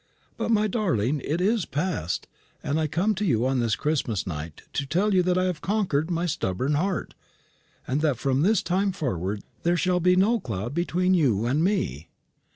But, my darling, it is past, and I come to you on this Christmas night to tell you that I have conquered my stubborn heart, and that from this time forward there shall be no cloud between you and me."